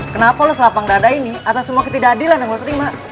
kenapa los lapang dada ini atas semua ketidakadilan yang lo terima